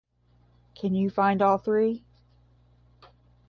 Can you find all three?